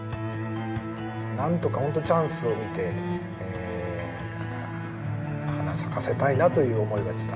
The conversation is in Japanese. なんとかほんとチャンスを見て花咲かせたいなという思いはあったんですけど。